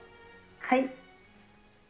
はい。